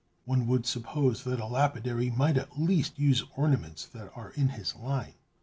One would suppose that a lapidary might at least use ornaments that are in his line!"